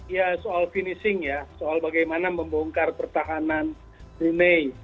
ya soal finishing ya soal bagaimana membongkar pertahanan brunei